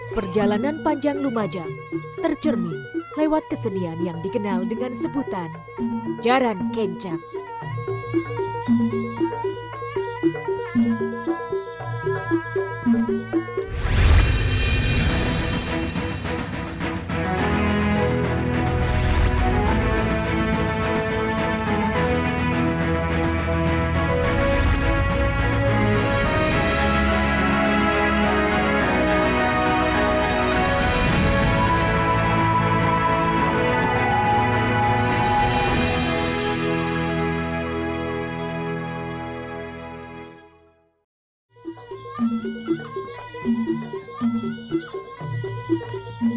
perjalanan panjang lumajang tercermin lewat kesenian yang dikenal dengan sebutan jaran kencak